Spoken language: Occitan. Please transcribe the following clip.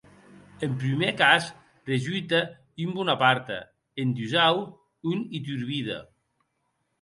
En prumèr cas, resulte un Bonaparte; en dusau, un Iturbide.